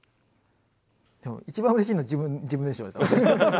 でも一番うれしいのは自分でしょうね多分。